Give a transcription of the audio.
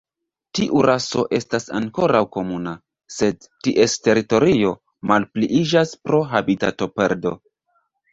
Tiu raso estas ankoraŭ komuna, sed ties teritorio malpliiĝas pro habitatoperdo.